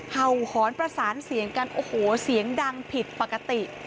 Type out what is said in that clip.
เห่าหอนประสานเสียงกันโอ้โหเสียงดังผิดปกติ